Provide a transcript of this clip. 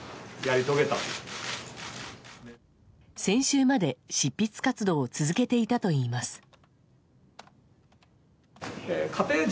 先週まで執筆活動を続けていたといいます。